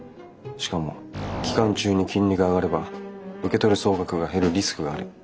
しかも期間中に金利が上がれば受け取る総額が減るリスクがある。